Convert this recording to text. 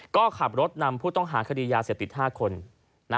ก็ขับรถนำผู้ต้องหาคดียาเสพติด๕คน